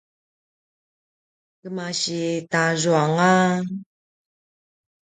kemasi tazuanga